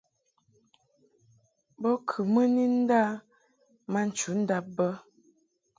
Bo kɨ mɨ ni nda ma nchudab bə.